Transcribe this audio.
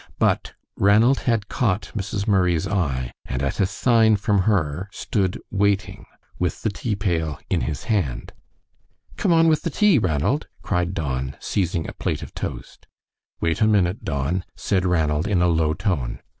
But Ranald had caught Mrs. Murray's eye, and at a sign from her, stood waiting with the tea pail in his hand. "Come on with the tea, Ranald," cried Don, seizing a plate of toast. "Wait a minute, Don," said Ranald, in a low tone.